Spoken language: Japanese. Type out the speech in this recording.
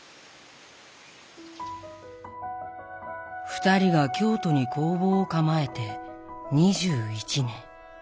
２人が京都に工房を構えて２１年。